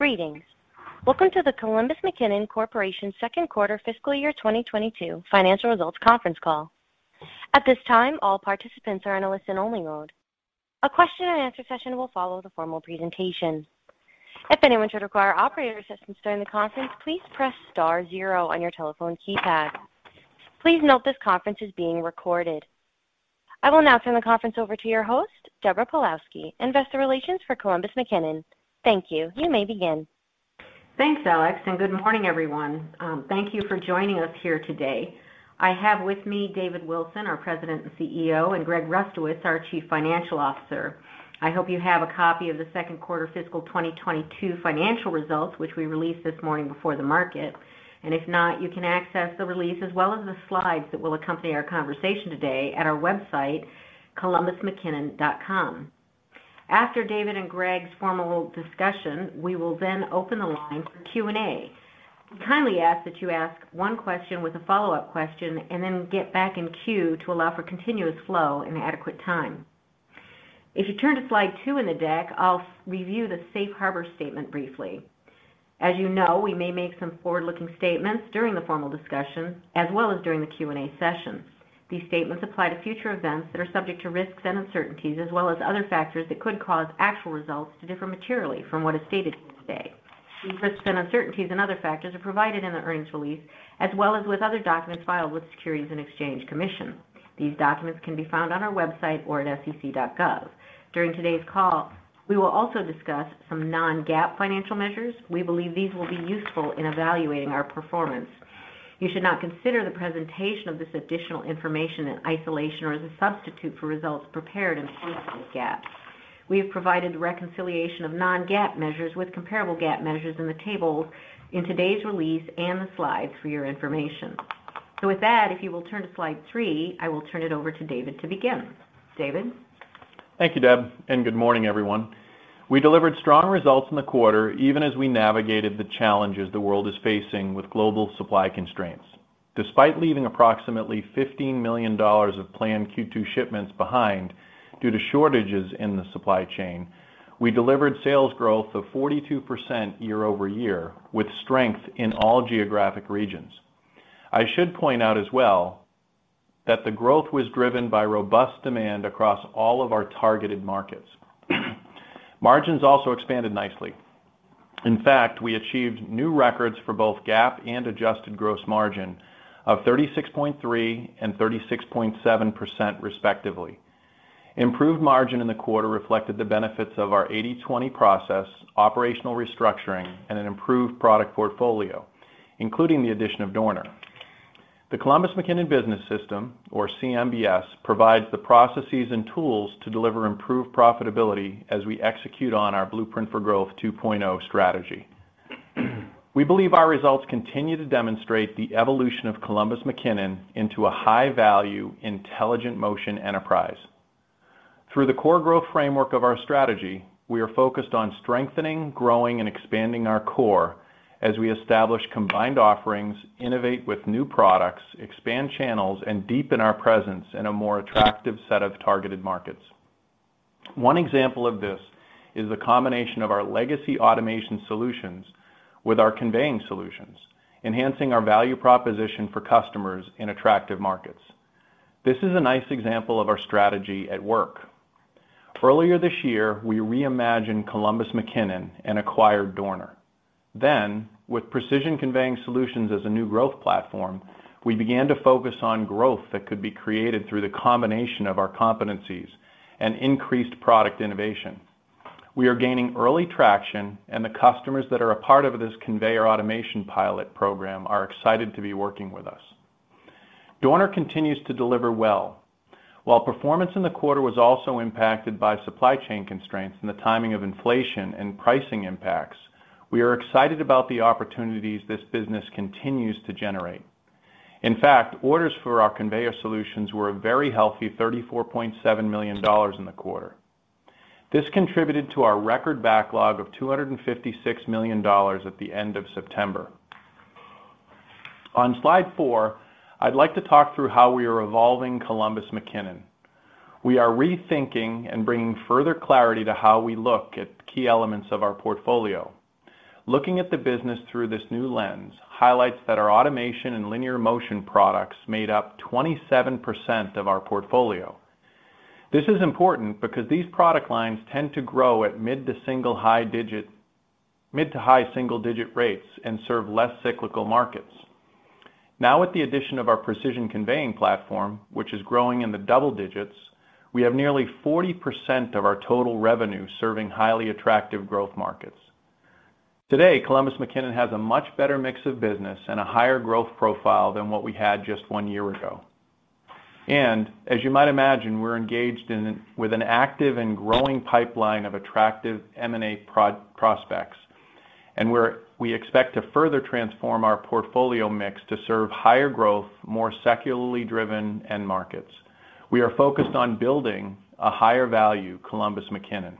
Greetings. Welcome to the Columbus McKinnon Corporation's second quarter fiscal year 2022 financial results conference call. At this time, all participants are in a listen-only mode. A question and answer session will follow the formal presentation. If anyone should require operator assistance during the conference, please press star zero on your telephone keypad. Please note this conference is being recorded. I will now turn the conference over to your host, Deborah Pawlowski, Investor Relations for Columbus McKinnon. Thank you. You may begin. Thanks, Alex, and good morning, everyone. Thank you for joining us here today. I have with me David Wilson, our President and CEO, and Greg Rustowicz, our Chief Financial Officer. I hope you have a copy of the second quarter fiscal 2022 financial results, which we released this morning before the market. If not, you can access the release as well as the slides that will accompany our conversation today at our website, columbusmckinnon.com. After David and Greg's formal discussion, we will then open the line for Q&A. We kindly ask that you ask one question with a follow-up question and then get back in queue to allow for continuous flow and adequate time. If you turn to slide two in the deck, I'll review the safe harbor statement briefly. As you know, we may make some forward-looking statements during the formal discussion as well as during the Q&A session. These statements apply to future events that are subject to risks and uncertainties, as well as other factors that could cause actual results to differ materially from what is stated here today. These risks and uncertainties and other factors are provided in the earnings release, as well as with other documents filed with Securities and Exchange Commission. These documents can be found on our website or at sec.gov. During today's call, we will also discuss some non-GAAP financial measures. We believe these will be useful in evaluating our performance. You should not consider the presentation of this additional information in isolation or as a substitute for results prepared in accordance with GAAP. We have provided reconciliation of non-GAAP measures with comparable GAAP measures in the tables in today's release and the slides for your information. With that, if you will turn to slide three, I will turn it over to David to begin. David? Thank you, Deb, and good morning, everyone. We delivered strong results in the quarter, even as we navigated the challenges the world is facing with global supply constraints. Despite leaving approximately $15 million of planned Q2 shipments behind due to shortages in the supply chain, we delivered sales growth of 42% year-over-year with strength in all geographic regions. I should point out as well that the growth was driven by robust demand across all of our targeted markets. Margins also expanded nicely. In fact, we achieved new records for both GAAP and adjusted gross margin of 36.3% and 36.7%, respectively. Improved margin in the quarter reflected the benefits of our 80/20 process, operational restructuring, and an improved product portfolio, including the addition of Dorner. The Columbus McKinnon Business System, or CMBS, provides the processes and tools to deliver improved profitability as we execute on our Blueprint for Growth 2.0 strategy. We believe our results continue to demonstrate the evolution of Columbus McKinnon into a high-value Intelligent Motion enterprise. Through the core growth framework of our strategy, we are focused on strengthening, growing, and expanding our core as we establish combined offerings, innovate with new products, expand channels, and deepen our presence in a more attractive set of targeted markets. One example of this is the combination of our legacy automation solutions with our conveying solutions, enhancing our value proposition for customers in attractive markets. This is a nice example of our strategy at work. Earlier this year, we reimagined Columbus McKinnon and acquired Dorner. With precision conveying solutions as a new growth platform, we began to focus on growth that could be created through the combination of our competencies and increased product innovation. We are gaining early traction, and the customers that are a part of this conveyor automation pilot program are excited to be working with us. Dorner continues to deliver well. While performance in the quarter was also impacted by supply chain constraints and the timing of inflation and pricing impacts, we are excited about the opportunities this business continues to generate. In fact, orders for our conveyor solutions were a very healthy $34.7 million in the quarter. This contributed to our record backlog of $256 million at the end of September. On slide four, I'd like to talk through how we are evolving Columbus McKinnon. We are rethinking and bringing further clarity to how we look at key elements of our portfolio. Looking at the business through this new lens highlights that our automation and linear motion products made up 27% of our portfolio. This is important because these product lines tend to grow at mid- to high single-digit rates and serve less cyclical markets. Now, with the addition of our precision conveying platform, which is growing in the double digits, we have nearly 40% of our total revenue serving highly attractive growth markets. Today, Columbus McKinnon has a much better mix of business and a higher growth profile than what we had just one year ago. As you might imagine, we're engaged in an active and growing pipeline of attractive M&A prospects, and we expect to further transform our portfolio mix to serve higher growth, more secularly driven end markets. We are focused on building a higher value Columbus McKinnon.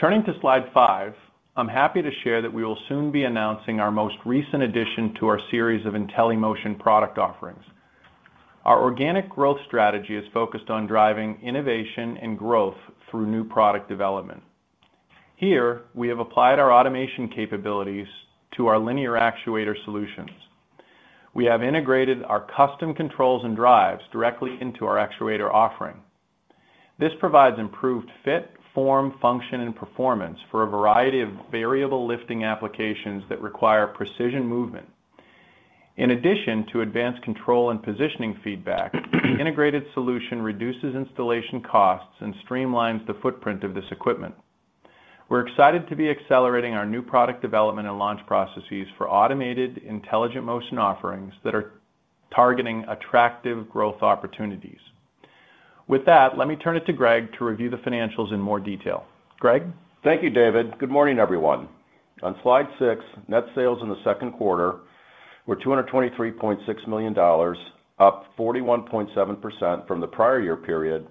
Turning to slide five, I'm happy to share that we will soon be announcing our most recent addition to our series of Intelli-Motion product offerings. Our organic growth strategy is focused on driving innovation and growth through new product development. Here, we have applied our automation capabilities to our linear actuator solutions. We have integrated our custom controls and drives directly into our actuator offering. This provides improved fit, form, function and performance for a variety of variable lifting applications that require precision movement. In addition to advanced control and positioning feedback, the integrated solution reduces installation costs and streamlines the footprint of this equipment. We're excited to be accelerating our new product development and launch processes for automated, Intelligent Motion offerings that are targeting attractive growth opportunities. With that, let me turn it to Greg to review the financials in more detail. Greg? Thank you, David. Good morning, everyone. On slide six, net sales in the second quarter were $223.6 million, up 41.7% from the prior year period,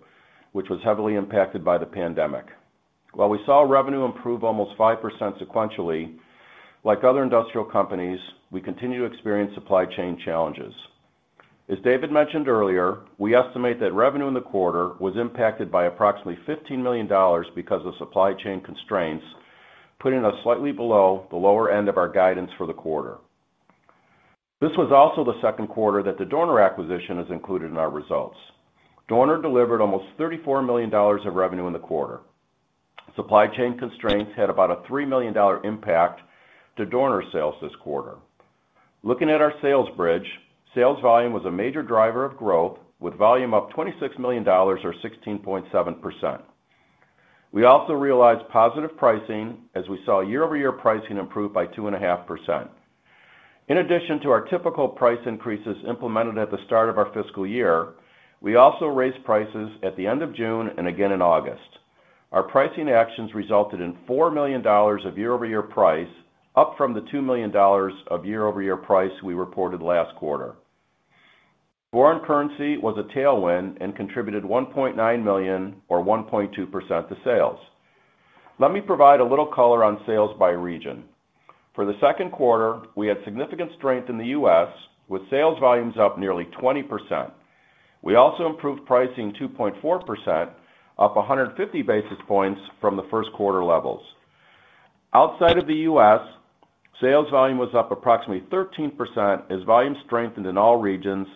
which was heavily impacted by the pandemic. While we saw revenue improve almost 5% sequentially, like other industrial companies, we continue to experience supply chain challenges. As David mentioned earlier, we estimate that revenue in the quarter was impacted by approximately $15 million because of supply chain constraints, putting us slightly below the lower end of our guidance for the quarter. This was also the second quarter that the Dorner acquisition is included in our results. Dorner delivered almost $34 million of revenue in the quarter. Supply chain constraints had about a $3 million impact to Dorner sales this quarter. Looking at our sales bridge, sales volume was a major driver of growth, with volume up $26 million or 16.7%. We also realized positive pricing as we saw year-over-year pricing improve by 2.5%. In addition to our typical price increases implemented at the start of our fiscal year, we also raised prices at the end of June and again in August. Our pricing actions resulted in $4 million of year-over-year price, up from the $2 million of year-over-year price we reported last quarter. Foreign currency was a tailwind and contributed $1.9 million or 1.2% to sales. Let me provide a little color on sales by region. For the second quarter, we had significant strength in the U.S. with sales volumes up nearly 20%. We also improved pricing 2.4%, up 150 basis points from the first quarter levels. Outside of the U.S., sales volume was up approximately 13% as volume strengthened in all regions,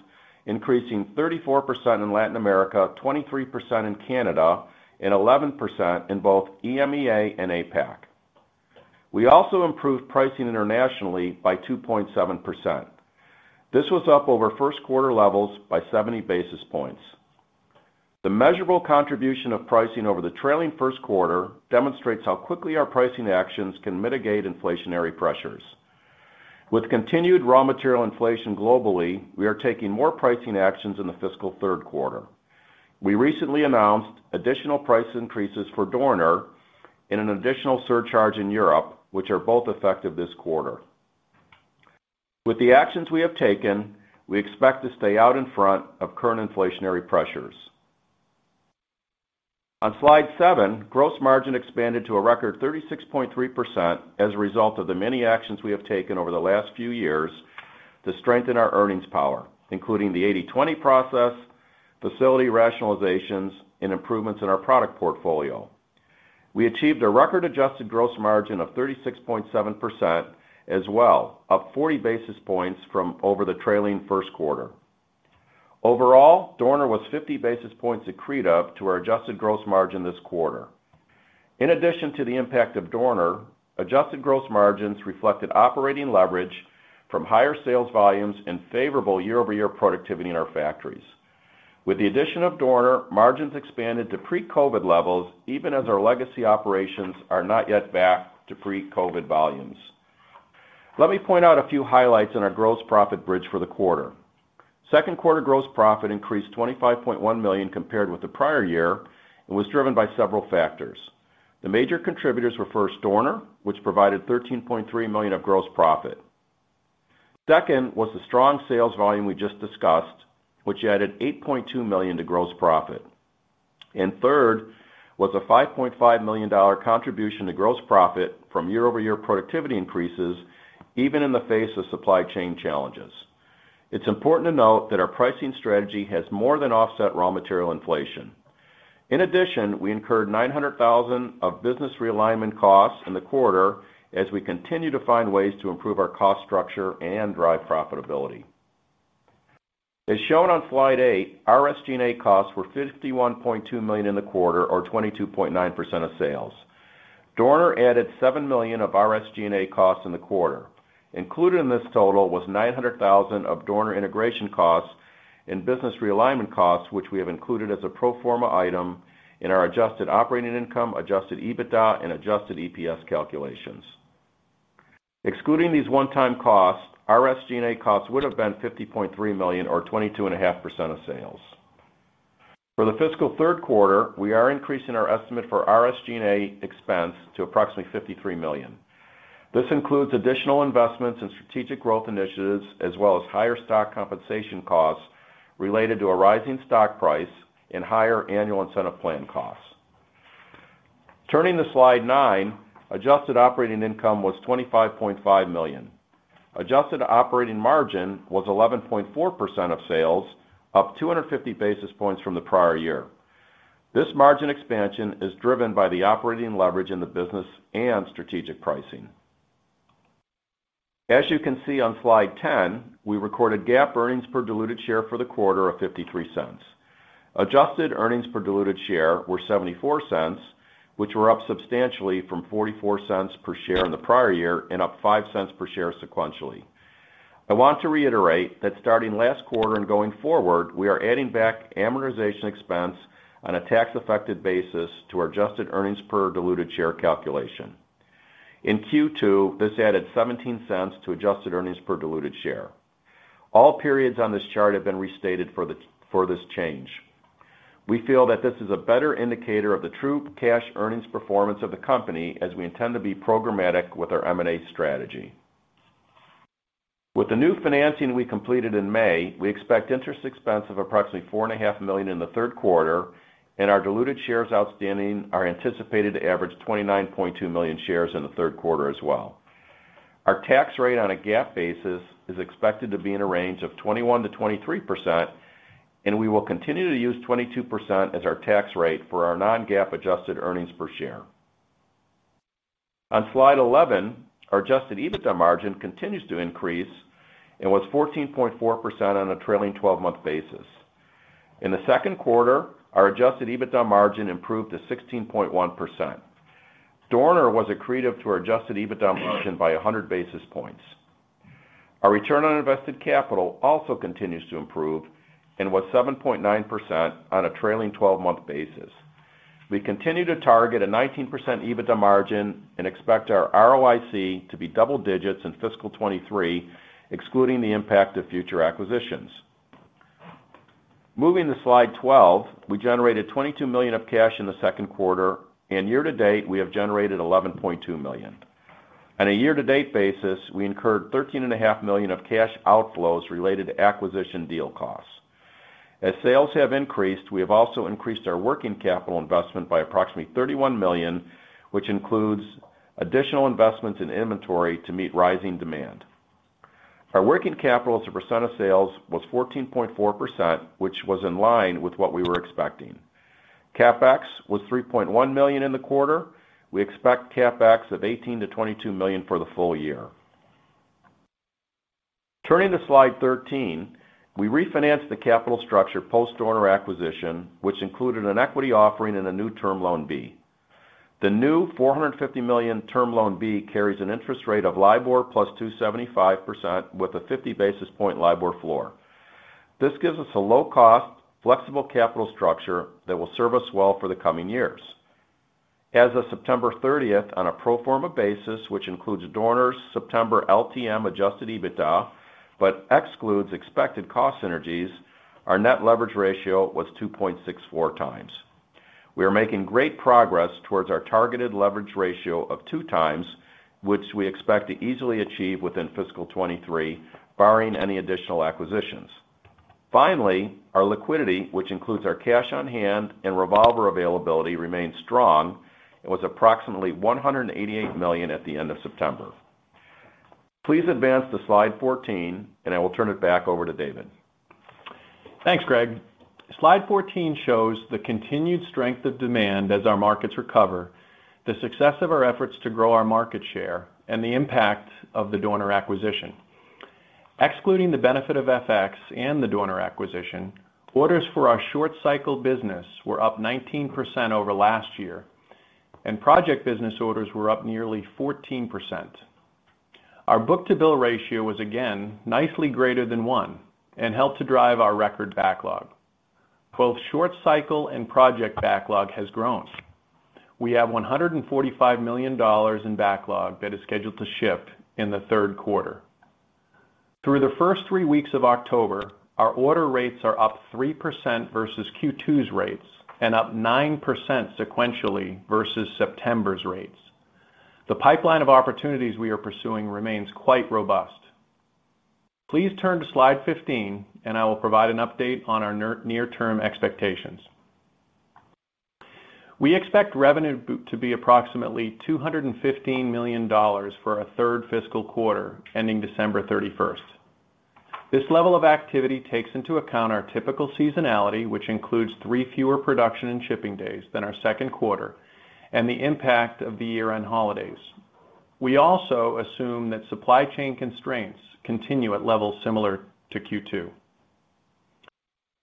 increasing 34% in Latin America, 23% in Canada, and 11% in both EMEA and APAC. We also improved pricing internationally by 2.7%. This was up over first quarter levels by 70 basis points. The measurable contribution of pricing over the trailing first quarter demonstrates how quickly our pricing actions can mitigate inflationary pressures. With continued raw material inflation globally, we are taking more pricing actions in the fiscal third quarter. We recently announced additional price increases for Dorner in an additional surcharge in Europe, which are both effective this quarter. With the actions we have taken, we expect to stay out in front of current inflationary pressures. On slide seven, gross margin expanded to a record 36.3% as a result of the many actions we have taken over the last few years to strengthen our earnings power, including the 80/20 process, facility rationalizations, and improvements in our product portfolio. We achieved a record adjusted gross margin of 36.7% as well, up 40 basis points from the trailing first quarter. Overall, Dorner was 50 basis points accretive to our adjusted gross margin this quarter. In addition to the impact of Dorner, adjusted gross margins reflected operating leverage from higher sales volumes and favorable year-over-year productivity in our factories. With the addition of Dorner, margins expanded to pre-COVID levels, even as our legacy operations are not yet back to pre-COVID volumes. Let me point out a few highlights in our gross profit bridge for the quarter. Second quarter gross profit increased $25.1 million compared with the prior year and was driven by several factors. The major contributors were first Dorner, which provided $13.3 million of gross profit. Second was the strong sales volume we just discussed, which added $8.2 million to gross profit. And third was a $5.5 million dollar contribution to gross profit from year-over-year productivity increases even in the face of supply chain challenges. It's important to note that our pricing strategy has more than offset raw material inflation. In addition, we incurred $900,000 of business realignment costs in the quarter as we continue to find ways to improve our cost structure and drive profitability. As shown on slide eight, our SG&A costs were $51.2 million in the quarter, or 22.9% of sales. Dorner added $7 million of our SG&A costs in the quarter. Included in this total was $900,000 of Dorner integration costs and business realignment costs, which we have included as a pro forma item in our adjusted operating income, adjusted EBITDA, and adjusted EPS calculations. Excluding these one-time costs, our SG&A costs would have been $50.3 million or 22.5% of sales. For the fiscal third quarter, we are increasing our estimate for our SG&A expense to approximately $53 million. This includes additional investments in strategic growth initiatives, as well as higher stock compensation costs related to a rising stock price and higher annual incentive plan costs. Turning to slide nine, adjusted operating income was $25.5 million. Adjusted operating margin was 11.4% of sales, up 250 basis points from the prior year. This margin expansion is driven by the operating leverage in the business and strategic pricing. As you can see on slide 10, we recorded GAAP earnings per diluted share for the quarter of $0.53. Adjusted earnings per diluted share were $0.74, which were up substantially from $0.44 per share in the prior year and up $0.05 per share sequentially. I want to reiterate that starting last quarter and going forward, we are adding back amortization expense on a tax-effective basis to our adjusted earnings per diluted share calculation. In Q2, this added $0.17 to adjusted earnings per diluted share. All periods on this chart have been restated for this change. We feel that this is a better indicator of the true cash earnings performance of the company as we intend to be programmatic with our M&A strategy. With the new financing we completed in May, we expect interest expense of approximately $4.5 million in the third quarter, and our diluted shares outstanding are anticipated to average 29.2 million shares in the third quarter as well. Our tax rate on a GAAP basis is expected to be in a range of 21%-23%, and we will continue to use 22% as our tax rate for our non-GAAP adjusted earnings per share. On slide 11, our adjusted EBITDA margin continues to increase and was 14.4% on a trailing 12-month basis. In the second quarter, our adjusted EBITDA margin improved to 16.1%. Dorner was accretive to our adjusted EBITDA margin by 100 basis points. Our return on invested capital also continues to improve and was 7.9% on a trailing 12-month basis. We continue to target a 19% EBITDA margin and expect our ROIC to be double digits in fiscal 2023, excluding the impact of future acquisitions. Moving to slide 12, we generated $22 million of cash in the second quarter, and year-to-date, we have generated $11.2 million. On a year-to-date basis, we incurred $13.5 million of cash outflows related to acquisition deal costs. As sales have increased, we have also increased our working capital investment by approximately $31 million, which includes additional investments in inventory to meet rising demand. Our working capital as a percent of sales was 14.4%, which was in line with what we were expecting. CapEx was $3.1 million in the quarter. We expect CapEx of $18 million-$22 million for the full year. Turning to slide 13, we refinanced the capital structure post-Dorner acquisition, which included an equity offering and a new Term Loan B. The new $450 million Term Loan B carries an interest rate of LIBOR plus 2.75% with a 50 basis point LIBOR floor. This gives us a low-cost, flexible capital structure that will serve us well for the coming years. As of September 30th, on a pro forma basis, which includes Dorner's September LTM adjusted EBITDA, but excludes expected cost synergies, our net leverage ratio was 2.64x. We are making great progress towards our targeted leverage ratio of 2x, which we expect to easily achieve within fiscal 2023, barring any additional acquisitions. Finally, our liquidity, which includes our cash on hand and revolver availability, remains strong and was approximately $188 million at the end of September. Please advance to slide 14, and I will turn it back over to David. Thanks, Greg. Slide 14 shows the continued strength of demand as our markets recover, the success of our efforts to grow our market share, and the impact of the Dorner acquisition. Excluding the benefit of FX and the Dorner acquisition, orders for our short cycle business were up 19% over last year, and project business orders were up nearly 14%. Our book-to-bill ratio was again nicely greater than one and helped to drive our record backlog. Both short cycle and project backlog has grown. We have $145 million in backlog that is scheduled to ship in the third quarter. Through the first three weeks of October, our order rates are up 3% versus Q2's rates and up 9% sequentially versus September's rates. The pipeline of opportunities we are pursuing remains quite robust. Please turn to slide 15, and I will provide an update on our near-term expectations. We expect revenue to be approximately $215 million for our third fiscal quarter ending December 31st. This level of activity takes into account our typical seasonality, which includes three fewer production and shipping days than our second quarter and the impact of the year-end holidays. We also assume that supply chain constraints continue at levels similar to Q2.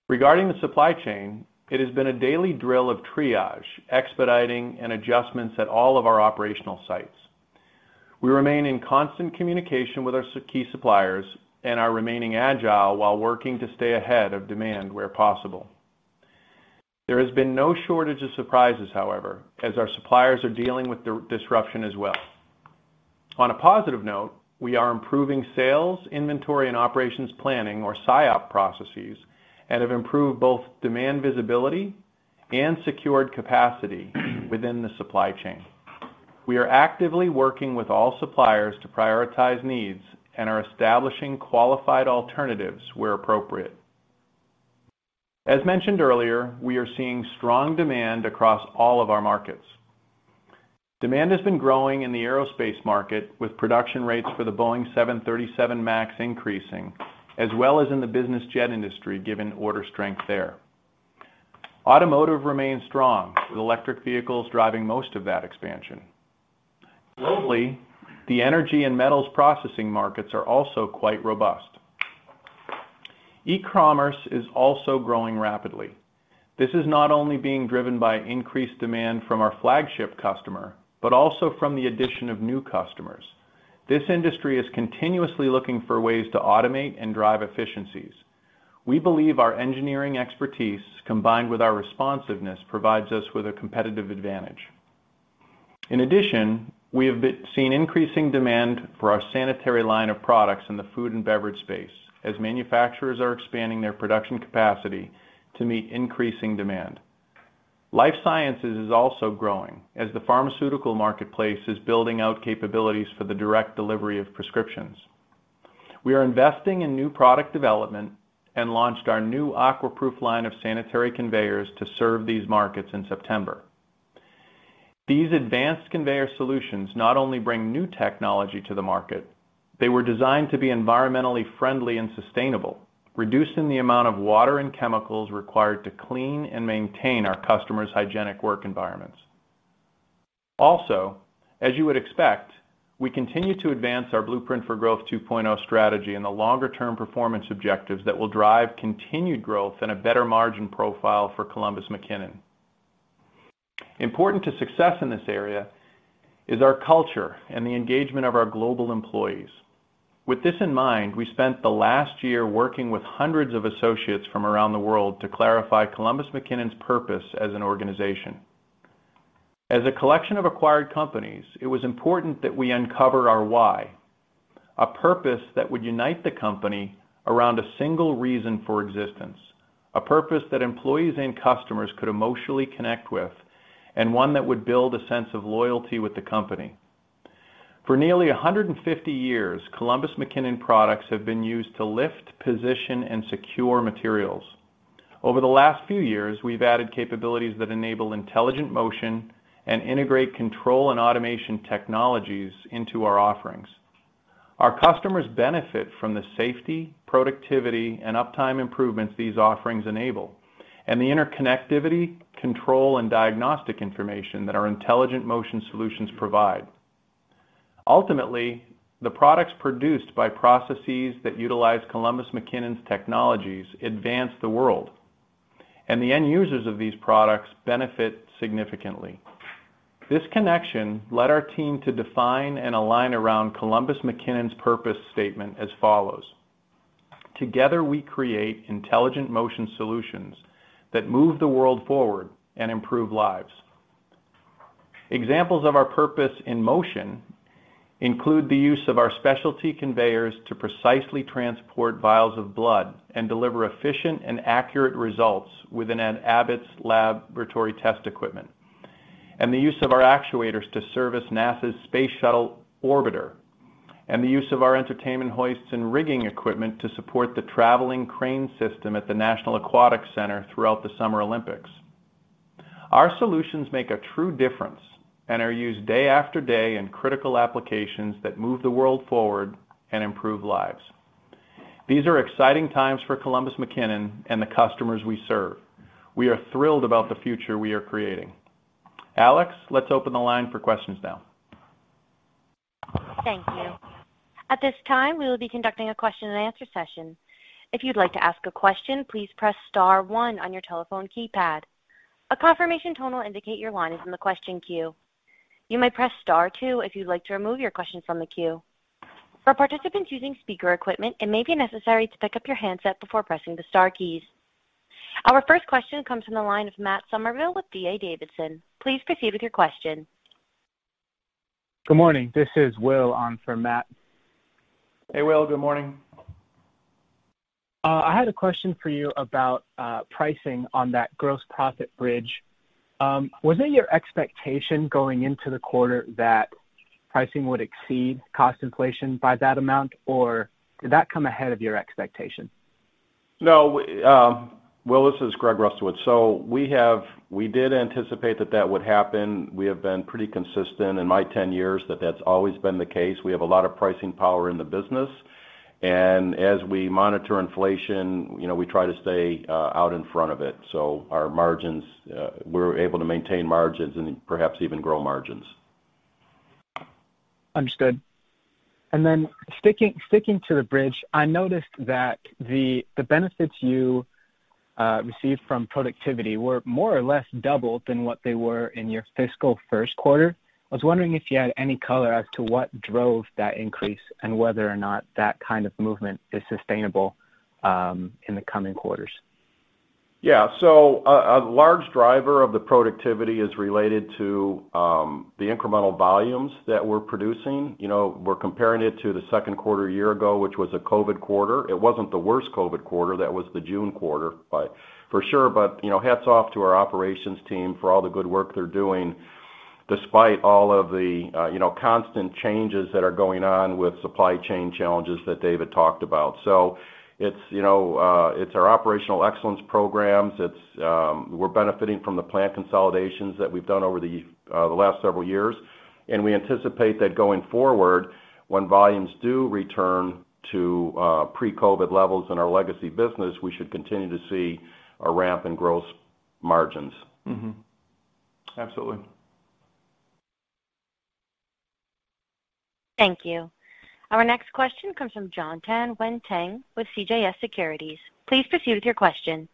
Regarding the supply chain, it has been a daily drill of triage, expediting, and adjustments at all of our operational sites. We remain in constant communication with our key suppliers and are remaining agile while working to stay ahead of demand where possible. There has been no shortage of surprises, however, as our suppliers are dealing with disruption as well. On a positive note, we are improving sales, inventory, and operations planning, or SIOP processes, and have improved both demand visibility and secured capacity within the supply chain. We are actively working with all suppliers to prioritize needs and are establishing qualified alternatives where appropriate. As mentioned earlier, we are seeing strong demand across all of our markets. Demand has been growing in the aerospace market with production rates for the Boeing 737 MAX increasing, as well as in the business jet industry, given order strength there. Automotive remains strong, with electric vehicles driving most of that expansion. Globally, the energy and metals processing markets are also quite robust. E-commerce is also growing rapidly. This is not only being driven by increased demand from our flagship customer, but also from the addition of new customers. This industry is continuously looking for ways to automate and drive efficiencies. We believe our engineering expertise, combined with our responsiveness, provides us with a competitive advantage. In addition, we have been seeing increasing demand for our sanitary line of products in the food and beverage space as manufacturers are expanding their production capacity to meet increasing demand. Life sciences is also growing as the pharmaceutical marketplace is building out capabilities for the direct delivery of prescriptions. We are investing in new product development and launched our new AquaPruf line of sanitary conveyors to serve these markets in September. These advanced conveyor solutions not only bring new technology to the market, they were designed to be environmentally friendly and sustainable, reducing the amount of water and chemicals required to clean and maintain our customers' hygienic work environments. Also, as you would expect, we continue to advance our Blueprint for Growth 2.0 strategy and the longer-term performance objectives that will drive continued growth and a better margin profile for Columbus McKinnon. Important to success in this area is our culture and the engagement of our global employees. With this in mind, we spent the last year working with hundreds of associates from around the world to clarify Columbus McKinnon's purpose as an organization. As a collection of acquired companies, it was important that we uncover our why, a purpose that would unite the company around a single reason for existence, a purpose that employees and customers could emotionally connect with, and one that would build a sense of loyalty with the company. For nearly 150 years, Columbus McKinnon products have been used to lift, position, and secure materials. Over the last few years, we've added capabilities that enable Intelligent Motion and integrate control and automation technologies into our offerings. Our customers benefit from the safety, productivity, and uptime improvements these offerings enable, and the interconnectivity, control, and diagnostic information that our Intelligent Motion solutions provide. Ultimately, the products produced by processes that utilize Columbus McKinnon's technologies advance the world, and the end users of these products benefit significantly. This connection led our team to define and align around Columbus McKinnon's purpose statement as follows: Together, we create Intelligent Motion solutions that move the world forward and improve lives. Examples of our purpose in motion include the use of our specialty conveyors to precisely transport vials of blood and deliver efficient and accurate results within Abbott's laboratory test equipment, and the use of our actuators to service NASA's Space Shuttle Orbiter, and the use of our entertainment hoists and rigging equipment to support the traveling crane system at the National Aquatic Center throughout the Summer Olympics. Our solutions make a true difference and are used day after day in critical applications that move the world forward and improve lives. These are exciting times for Columbus McKinnon and the customers we serve. We are thrilled about the future we are creating. Alex, let's open the line for questions now. Thank you. At this time, we will be conducting a question and answer session. If you'd like to ask a question, please press star one on your telephone keypad. A confirmation tone will indicate your line is in the question queue. You may press star two if you'd like to remove your questions from the queue. For participants using speaker equipment, it may be necessary to pick up your handset before pressing the star keys. Our first question comes from the line of Matt Summerville with D.A. Davidson. Please proceed with your question. Good morning. This is Will on for Matt. Hey, Will. Good morning. I had a question for you about pricing on that gross profit bridge. Was it your expectation going into the quarter that pricing would exceed cost inflation by that amount, or did that come ahead of your expectation? Will, this is Greg Rustowicz. We did anticipate that would happen. We have been pretty consistent in my 10 years that that's always been the case. We have a lot of pricing power in the business. As we monitor inflation, you know, we try to stay out in front of it. Our margins, we're able to maintain margins and perhaps even grow margins. Understood. Sticking to the bridge, I noticed that the benefits you received from productivity were more or less double than what they were in your fiscal first quarter. I was wondering if you had any color as to what drove that increase and whether or not that kind of movement is sustainable in the coming quarters. A large driver of the productivity is related to the incremental volumes that we're producing. You know, we're comparing it to the second quarter a year ago, which was a COVID quarter. It wasn't the worst COVID quarter, that was the June quarter, but for sure. You know, hats off to our operations team for all the good work they're doing. Despite all of the, you know, constant changes that are going on with supply chain challenges that David talked about. It's, you know, it's our operational excellence programs. It's, we're benefiting from the plant consolidations that we've done over the last several years. We anticipate that going forward when volumes do return to, pre-COVID levels in our legacy business, we should continue to see a ramp in gross margins. Mm-hmm. Absolutely. Thank you. Our next question comes from Jon Tanwanteng with CJS Securities. Please proceed with your question.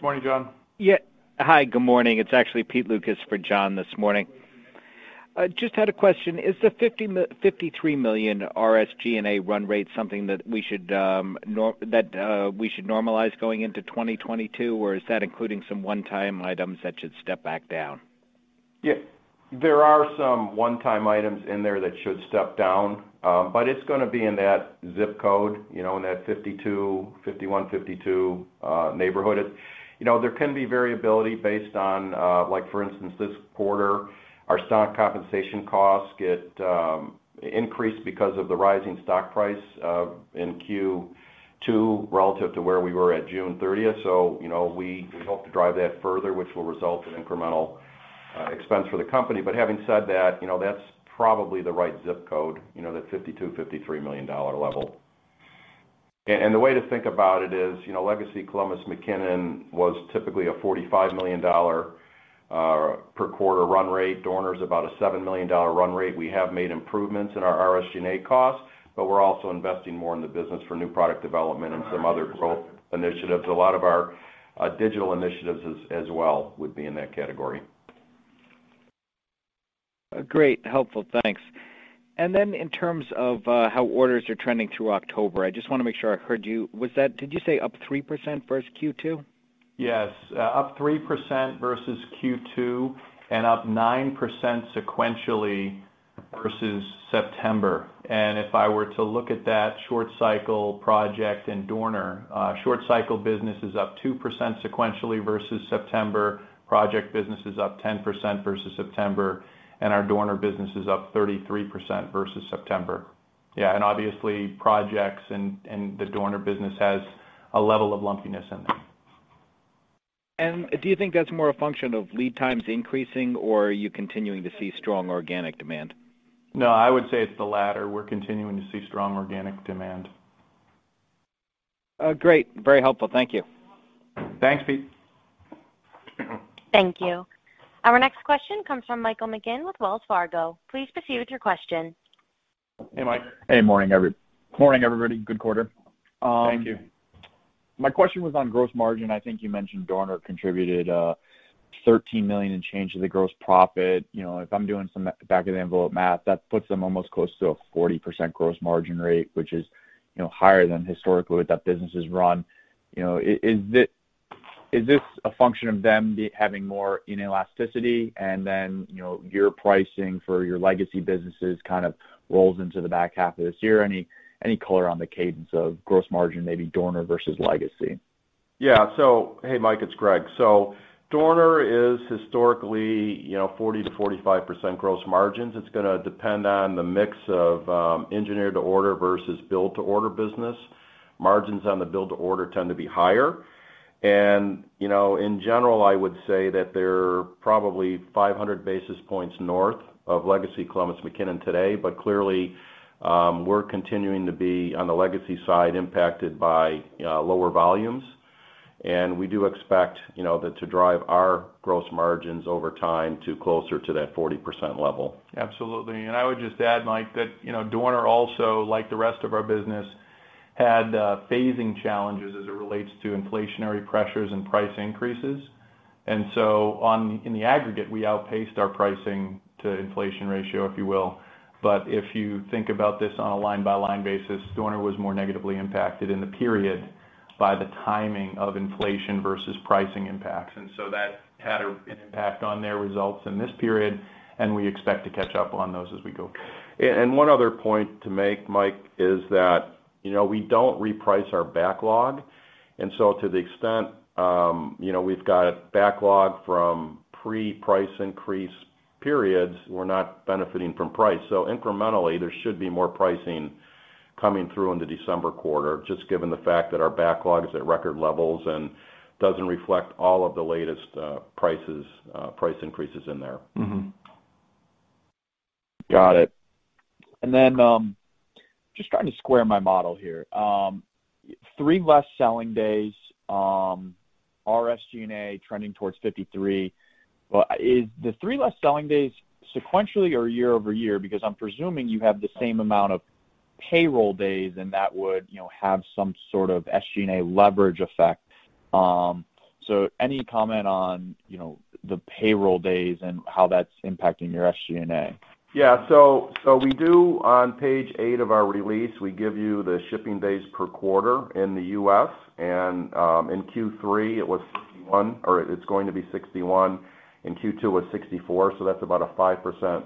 Morning, Jon. Yeah. Hi, good morning. It's actually Pete Lukas for Jon this morning. I just had a question. Is the $53 million SG&A run rate something that we should normalize going into 2022, or is that including some one-time items that should step back down? Yeah. There are some one-time items in there that should step down, but it's gonna be in that zip code, you know, in that 51-52 neighborhood. You know, there can be variability based on, like for instance, this quarter, our stock compensation costs get increased because of the rising stock price in Q2 relative to where we were at June 30th. So, you know, we hope to drive that further, which will result in incremental expense for the company. But having said that, you know, that's probably the right zip code, you know, that $52 million-$53 million level. The way to think about it is, you know, legacy Columbus McKinnon was typically a $45 million per quarter run rate. Dorner's about a $7 million run rate. We have made improvements in our SG&A costs, but we're also investing more in the business for new product development and some other growth initiatives. A lot of our digital initiatives as well would be in that category. Great. Helpful. Thanks. In terms of how orders are trending through October, I just wanna make sure I heard you. Did you say up 3% versus Q2? Yes. Up 3% versus Q2 and up 9% sequentially versus September. If I were to look at that short cycle project in Dorner, short cycle business is up 2% sequentially versus September, project business is up 10% versus September, and our Dorner business is up 33% versus September. Yeah. Obviously, projects and the Dorner business has a level of lumpiness in there. Do you think that's more a function of lead times increasing, or are you continuing to see strong organic demand? No, I would say it's the latter. We're continuing to see strong organic demand. Great. Very helpful. Thank you. Thanks, Pete. Thank you. Our next question comes from Michael McGinn with Wells Fargo. Please proceed with your question. Hey, Mike. Hey. Morning, everybody. Good quarter. Thank you. My question was on gross margin. I think you mentioned Dorner contributed $13 million and change to the gross profit. You know, if I'm doing some back of the envelope math, that puts them almost close to a 40% gross margin rate, which is, you know, higher than historically what that business is run. You know, is this a function of them having more inelasticity, and then, you know, your pricing for your legacy businesses kind of rolls into the back half of this year? Any color on the cadence of gross margin, maybe Dorner versus legacy? Yeah. Hey, Mike, it's Greg. Dorner is historically, you know, 40%-45% gross margins. It's gonna depend on the mix of engineer-to-order versus build-to-order business. Margins on the build-to-order tend to be higher. You know, in general, I would say that they're probably 500 basis points north of legacy Columbus McKinnon today. Clearly, we're continuing to be, on the legacy side, impacted by lower volumes. We do expect, you know, that to drive our gross margins over time to closer to that 40% level. Absolutely. I would just add, Mike, that, you know, Dorner also, like the rest of our business, had phasing challenges as it relates to inflationary pressures and price increases. In the aggregate, we outpaced our pricing to inflation ratio, if you will. But if you think about this on a line-by-line basis, Dorner was more negatively impacted in the period by the timing of inflation versus pricing impacts. That had an impact on their results in this period, and we expect to catch up on those as we go. One other point to make, Mike, is that, you know, we don't reprice our backlog. To the extent, you know, we've got backlog from pre-price increase periods, we're not benefiting from price. Incrementally, there should be more pricing coming through in the December quarter, just given the fact that our backlog is at record levels and doesn't reflect all of the latest prices, price increases in there. Mm-hmm. Got it. Just trying to square my model here. Three less selling days, SG&A trending towards 53. Well, is the three less selling days sequentially or year-over-year? Because I'm presuming you have the same amount of payroll days, and that would, you know, have some sort of SG&A leverage effect. Any comment on, you know, the payroll days and how that's impacting your SG&A? We do on page eight of our release, we give you the shipping days per quarter in the U.S. In Q3, it was 61, or it's going to be 61. In Q2, it was 64, so that's about a 5%.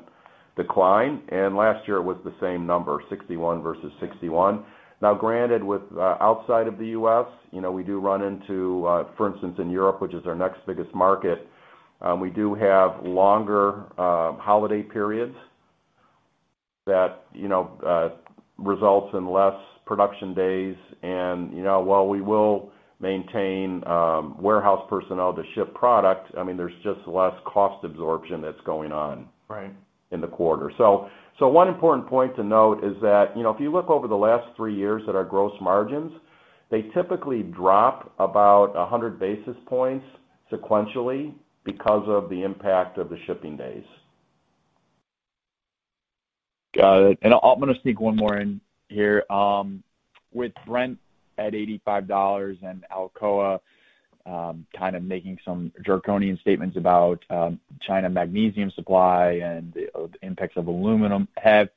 Decline, and last year it was the same number, 61 versus 61. Now granted, with outside of the U.S., you know, we do run into for instance, in Europe, which is our next biggest market, we do have longer holiday periods that, you know, results in less production days. While we will maintain warehouse personnel to ship product, I mean, there's just less cost absorption that's going on. Right in the quarter. One important point to note is that, you know, if you look over the last three years at our gross margins, they typically drop about 100 basis points sequentially because of the impact of the shipping days. Got it. I'm gonna sneak one more in here. With zinc at $85 and Alcoa kind of making some draconian statements about China magnesium supply and the impacts of aluminum, have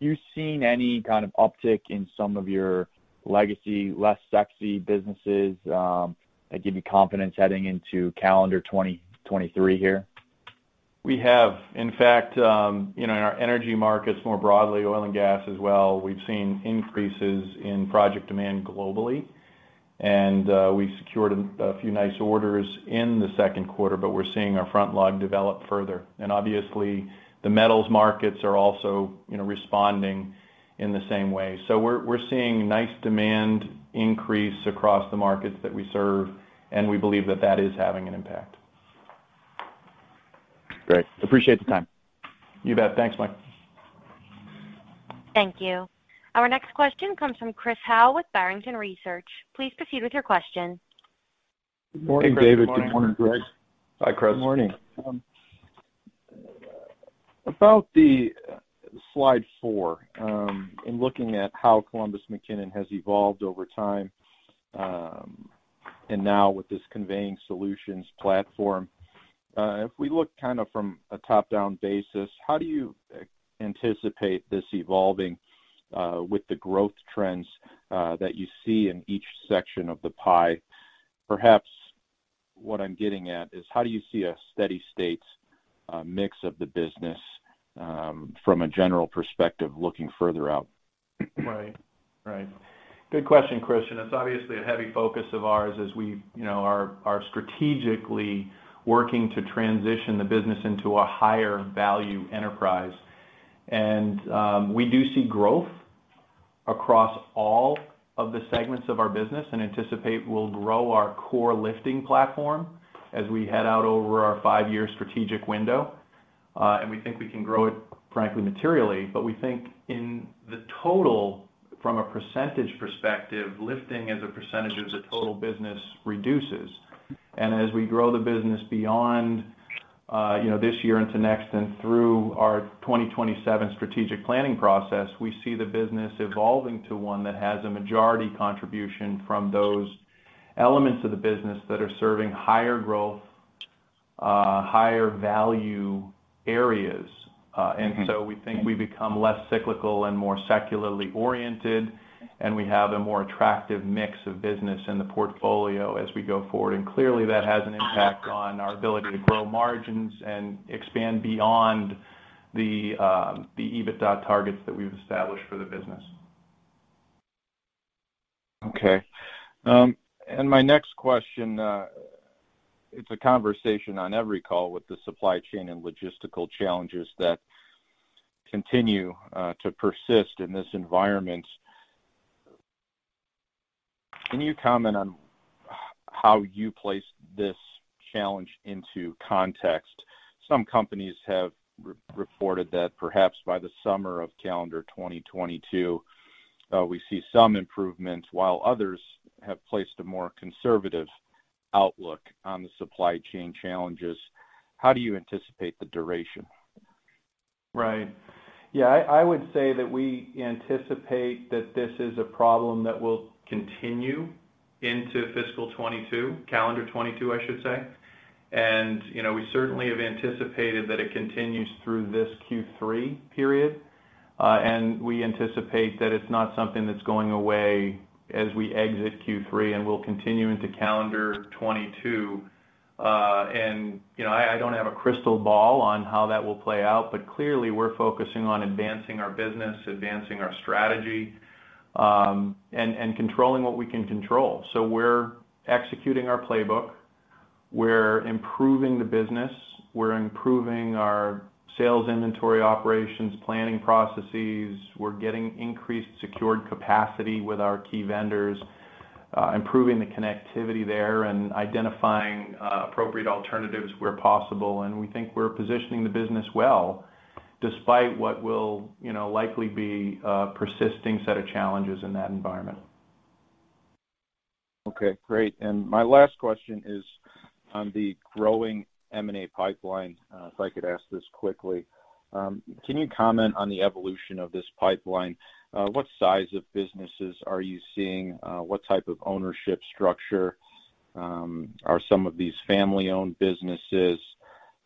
you seen any kind of uptick in some of your legacy less sexy businesses that give you confidence heading into calendar 2023 here? We have, in fact, you know, in our energy markets more broadly, oil and gas as well, we've seen increases in project demand globally. We secured a few nice orders in the second quarter, but we're seeing our backlog develop further. Obviously, the metals markets are also responding in the same way. We're seeing nice demand increase across the markets that we serve, and we believe that is having an impact. Great. Appreciate the time. You bet. Thanks, Mike. Thank you. Our next question comes from Chris Howe with Barrington Research. Please proceed with your question. Good morning, David. Hey, Chris. Good morning. Good morning, Greg. Hi, Chris. Good morning. About the slide four, in looking at how Columbus McKinnon has evolved over time, and now with this Conveying Solutions platform, if we look kind of from a top-down basis, how do you anticipate this evolving, with the growth trends, that you see in each section of the pie? Perhaps what I'm getting at is how do you see a steady state, mix of the business, from a general perspective, looking further out? Right. Good question, Chris, and it's obviously a heavy focus of ours as we are strategically working to transition the business into a higher value enterprise. We do see growth across all of the segments of our business and anticipate we'll grow our core lifting platform as we head out over our five-year strategic window. We think we can grow it, frankly, materially. We think in the total, from a percentage perspective, lifting as a percentage of the total business reduces. As we grow the business beyond this year into next and through our 2027 strategic planning process, we see the business evolving to one that has a majority contribution from those elements of the business that are serving higher growth, higher value areas. We think we become less cyclical and more secularly oriented, and we have a more attractive mix of business in the portfolio as we go forward. Clearly, that has an impact on our ability to grow margins and expand beyond the EBITDA targets that we've established for the business. Okay. My next question, it's a conversation on every call with the supply chain and logistical challenges that continue to persist in this environment. Can you comment on how you place this challenge into context? Some companies have re-reported that perhaps by the summer of calendar 2022, we see some improvements, while others have placed a more conservative outlook on the supply chain challenges. How do you anticipate the duration? Right. Yeah, I would say that we anticipate that this is a problem that will continue into fiscal 2022, calendar 2022, I should say. You know, we certainly have anticipated that it continues through this Q3 period. We anticipate that it's not something that's going away as we exit Q3, and will continue into calendar 2022. You know, I don't have a crystal ball on how that will play out, but clearly, we're focusing on advancing our business, advancing our strategy, and controlling what we can control. We're executing our playbook. We're improving the business. We're improving our sales, inventory, operations planning processes. We're getting increased secured capacity with our key vendors, improving the connectivity there and identifying appropriate alternatives where possible. We think we're positioning the business well despite what will, you know, likely be a persisting set of challenges in that environment. Okay, great. My last question is on the growing M&A pipeline, if I could ask this quickly. Can you comment on the evolution of this pipeline? What size of businesses are you seeing? What type of ownership structure? Are some of these family-owned businesses?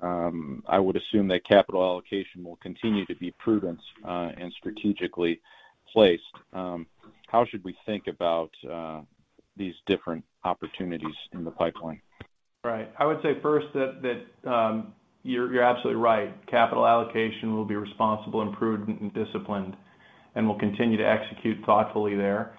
I would assume that capital allocation will continue to be prudent and strategically placed. How should we think about these different opportunities in the pipeline? Right. I would say first that you're absolutely right. Capital allocation will be responsible and prudent and disciplined, and we'll continue to execute thoughtfully there.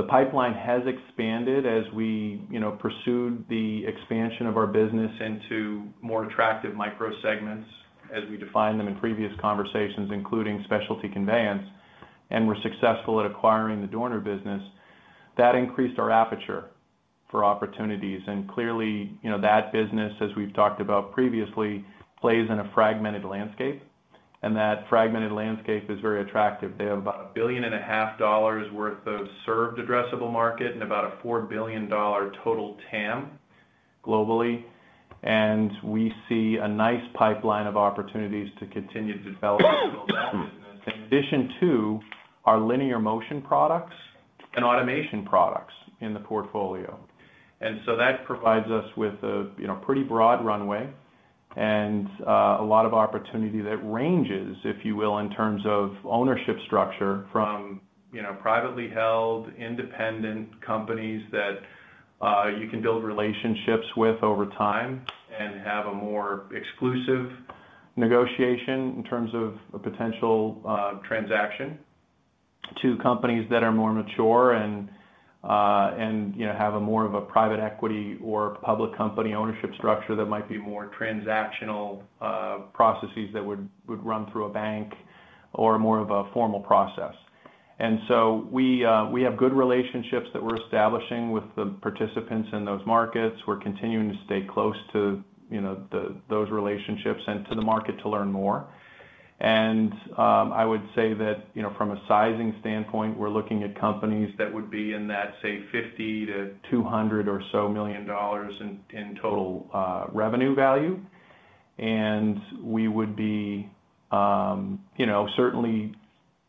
The pipeline has expanded as we, you know, pursued the expansion of our business into more attractive micro segments as we define them in previous conversations, including specialty conveyance. We're successful at acquiring the Dorner business. That increased our aperture for opportunities. Clearly, you know, that business, as we've talked about previously, plays in a fragmented landscape, and that fragmented landscape is very attractive. They have $1.5 billion worth of served addressable market and about a $4 billion total TAM globally. We see a nice pipeline of opportunities to continue to develop that business in addition to our linear motion products and automation products in the portfolio. That provides us with a, you know, pretty broad runway and a lot of opportunity that ranges, if you will, in terms of ownership structure from, you know, privately held independent companies that you can build relationships with over time and have a more exclusive negotiation in terms of a potential transaction to companies that are more mature and, you know, have a more of a private equity or public company ownership structure that might be more transactional processes that would run through a bank or more of a formal process. We have good relationships that we're establishing with the participants in those markets. We're continuing to stay close to, you know, those relationships and to the market to learn more. I would say that, you know, from a sizing standpoint, we're looking at companies that would be in that, say, $50 million-$200 million or so in total revenue value. We would be, you know, certainly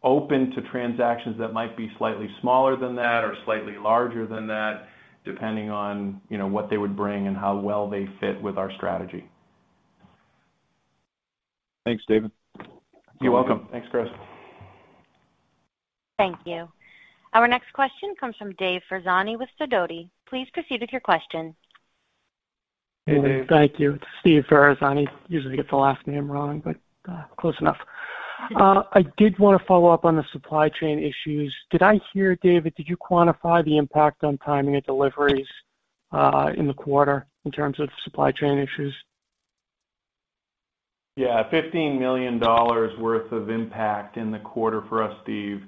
open to transactions that might be slightly smaller than that or slightly larger than that, depending on, you know, what they would bring and how well they fit with our strategy. Thanks, David. You're welcome. Thanks, Chris. Thank you. Our next question comes from Steve Ferazani with Sidoti. Please proceed with your question. Hey, Steve. Thank you. It's Steve Ferazani. Usually get the last name wrong, but, close enough. I did wanna follow up on the supply chain issues. Did I hear, David, did you quantify the impact on timing of deliveries, in the quarter in terms of supply chain issues? Yeah. $15 million worth of impact in the quarter for us, Steve.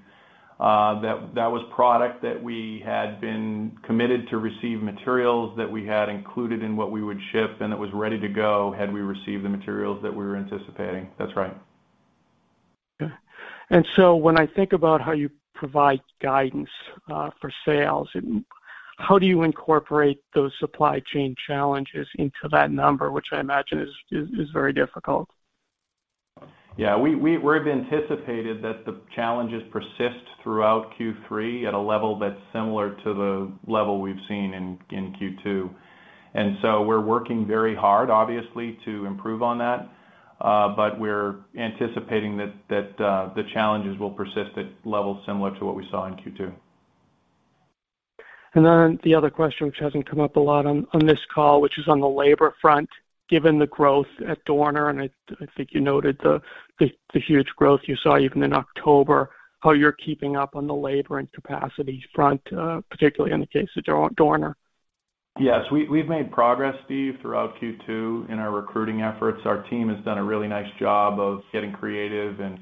That was product that we had been committed to receive materials that we had included in what we would ship, and it was ready to go had we received the materials that we were anticipating. That's right. Okay. When I think about how you provide guidance for sales, how do you incorporate those supply chain challenges into that number, which I imagine is very difficult? Yeah. We've anticipated that the challenges persist throughout Q3 at a level that's similar to the level we've seen in Q2. We're working very hard, obviously, to improve on that. We're anticipating that the challenges will persist at levels similar to what we saw in Q2. The other question, which hasn't come up a lot on this call, which is on the labor front, given the growth at Dorner, and I think you noted the huge growth you saw even in October, how you're keeping up on the labor and capacity front, particularly in the case of Dorner? Yes. We've made progress, Steve, throughout Q2 in our recruiting efforts. Our team has done a really nice job of getting creative and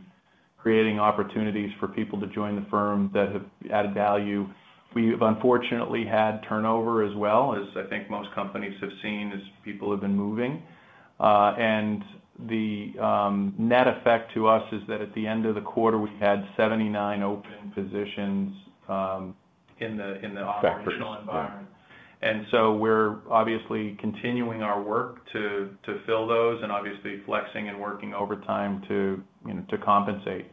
creating opportunities for people to join the firm that have added value. We've unfortunately had turnover as well, as I think most companies have seen as people have been moving. The net effect to us is that at the end of the quarter, we had 79 open positions. Factors in the operational environment. We're obviously continuing our work to fill those and obviously flexing and working overtime to, you know, to compensate.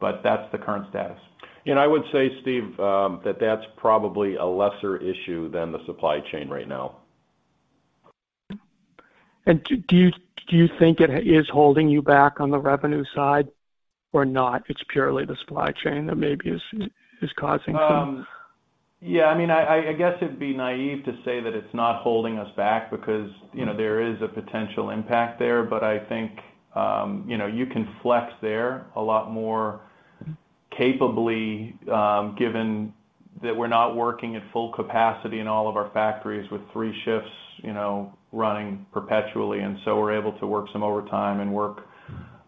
That's the current status. I would say, Steve, that that's probably a lesser issue than the supply chain right now. Do you think it is holding you back on the revenue side or not? It's purely the supply chain that maybe is causing some- Yeah, I mean, I guess it'd be naive to say that it's not holding us back because, you know, there is a potential impact there. I think, you know, you can flex there a lot more capably, given that we're not working at full capacity in all of our factories with three shifts, you know, running perpetually, and so we're able to work some overtime and work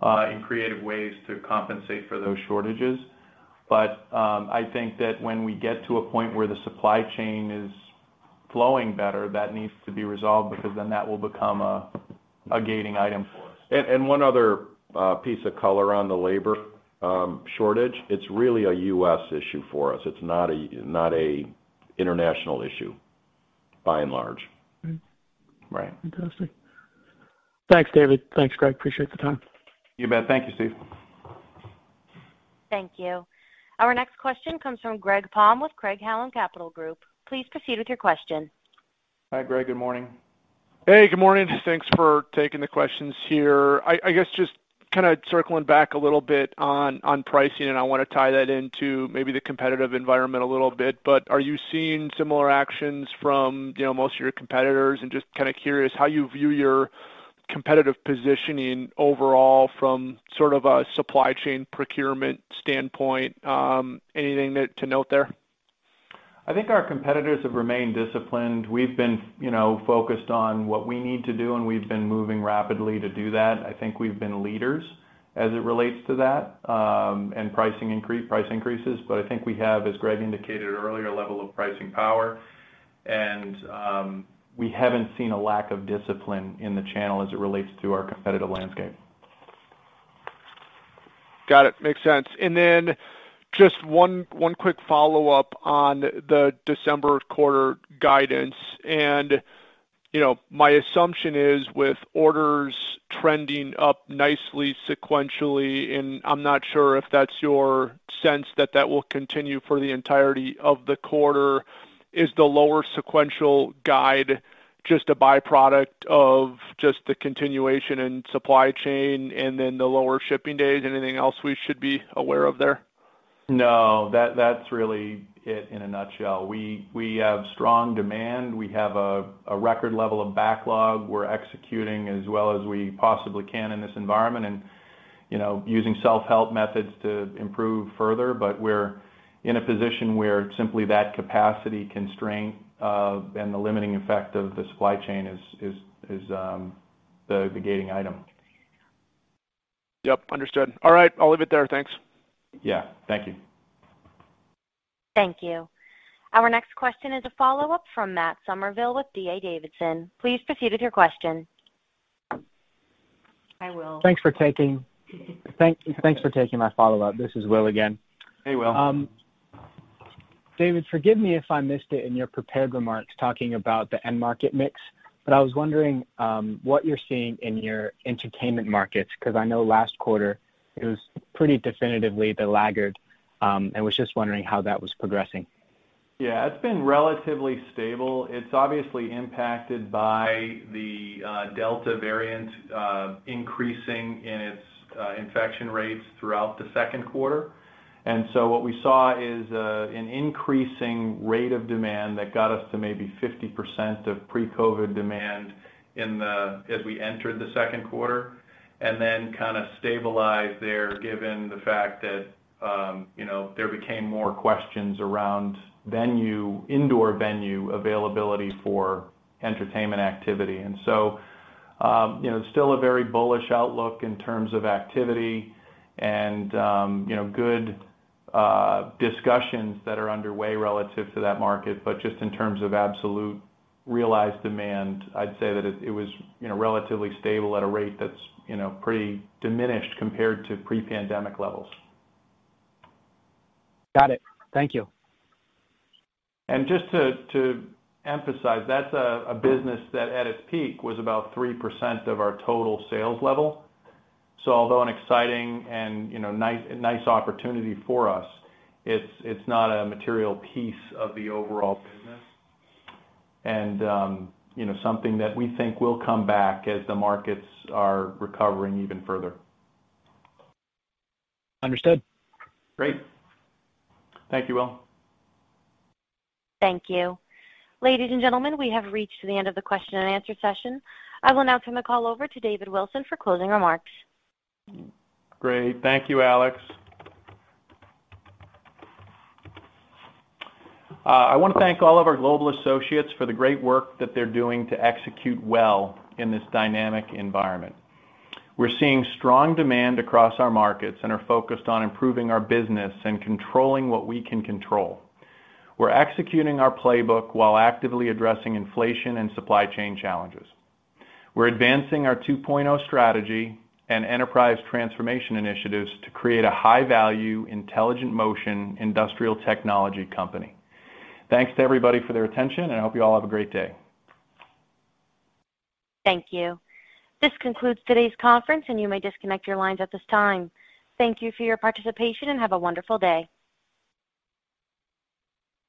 in creative ways to compensate for those shortages. I think that when we get to a point where the supply chain is flowing better, that needs to be resolved because then that will become a gating item for us. One other piece of color on the labor shortage. It's really a U.S. issue for us. It's not an international issue by and large. Right. Fantastic. Thanks, David. Thanks, Greg. I appreciate the time. You bet. Thank you, Steve. Thank you. Our next question comes from Greg Palm with Craig-Hallum Capital Group. Please proceed with your question. Hi, Greg. Good morning. Hey, good morning. Thanks for taking the questions here. I guess just- Kind of circling back a little bit on pricing, and I wanna tie that into maybe the competitive environment a little bit, but are you seeing similar actions from, you know, most of your competitors? Just kinda curious how you view your competitive positioning overall from sort of a supply chain procurement standpoint. Anything to note there? I think our competitors have remained disciplined. We've been, you know, focused on what we need to do, and we've been moving rapidly to do that. I think we've been leaders as it relates to that, and price increases. I think we have, as Greg indicated earlier, a level of pricing power. We haven't seen a lack of discipline in the channel as it relates to our competitive landscape. Got it. Makes sense. Just one quick follow-up on the December quarter guidance. You know, my assumption is with orders trending up nicely sequentially, and I'm not sure if that's your sense that that will continue for the entirety of the quarter. Is the lower sequential guide just a byproduct of just the continuation in supply chain and then the lower shipping days? Anything else we should be aware of there? No, that's really it in a nutshell. We have strong demand. We have a record level of backlog. We're executing as well as we possibly can in this environment and, you know, using self-help methods to improve further. We're in a position where simply that capacity constraint and the limiting effect of the supply chain is the gating item. Yep, understood. All right. I'll leave it there. Thanks. Yeah, thank you. Thank you. Our next question is a follow-up from Matt Summerville with D.A. Davidson. Please proceed with your question. Hi, Will. Thank you. Thanks for taking my follow-up. This is Will again. Hey, Will. David, forgive me if I missed it in your prepared remarks talking about the end market mix, but I was wondering what you're seeing in your entertainment markets, 'cause I know last quarter it was pretty definitively the laggard, and was just wondering how that was progressing. Yeah, it's been relatively stable. It's obviously impacted by the Delta variant increasing in its infection rates throughout the second quarter. What we saw is an increasing rate of demand that got us to maybe 50% of pre-COVID demand as we entered the second quarter, and then kinda stabilized there, given the fact that you know, there became more questions around venue, indoor venue availability for entertainment activity. Still a very bullish outlook in terms of activity and you know, good discussions that are underway relative to that market. Just in terms of absolute realized demand, I'd say that it was you know, relatively stable at a rate that's you know, pretty diminished compared to pre-pandemic levels. Got it. Thank you. Just to emphasize, that's a business that at its peak was about 3% of our total sales level. Although an exciting and, you know, nice opportunity for us, it's not a material piece of the overall business and, you know, something that we think will come back as the markets are recovering even further. Understood. Great. Thank you, Will. Thank you. Ladies and gentlemen, we have reached the end of the question and answer session. I will now turn the call over to David Wilson for closing remarks. Great. Thank you, Alex. I wanna thank all of our global associates for the great work that they're doing to execute well in this dynamic environment. We're seeing strong demand across our markets and are focused on improving our business and controlling what we can control. We're executing our playbook while actively addressing inflation and supply chain challenges. We're advancing our 2.0 strategy and enterprise transformation initiatives to create a high-value Intelligent Motion industrial technology company. Thanks to everybody for their attention, and I hope you all have a great day. Thank you. This concludes today's conference, and you may disconnect your lines at this time. Thank you for your participation, and have a wonderful day.